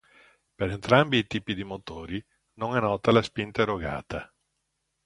Per entrambi i tipi di motori non è nota la spinta erogata.